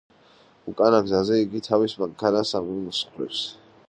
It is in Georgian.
უკანა გზაზე იგი თავის მანქანას ამსხვრევს.